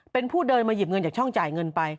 เป็นผู้เดินมาหยิบเงินจากช่องจ่ายเงินไป